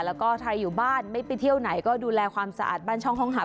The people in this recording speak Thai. แล้วก็ใครอยู่บ้านไม่ไปเที่ยวไหนก็ดูแลความสะอาดบ้านช่องห้องหับ